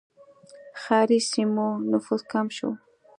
ښاري سیمو نفوس کم شو.